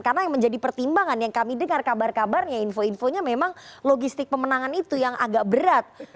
karena yang menjadi pertimbangan yang kami dengar kabar kabarnya info infonya memang logistik pemenangan itu yang agak berat